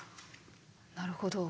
なるほど。